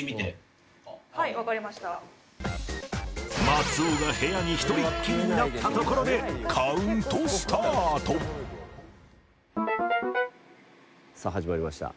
松尾が部屋に一人っきりになったところで「さあ始まりました」